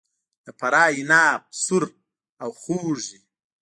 د فراه عناب سور او خوږ وي.